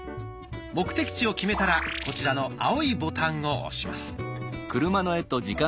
目的地を決めたらこちらの青いボタンを押します。